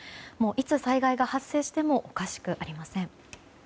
いつ災害が発生してもおかしくありません。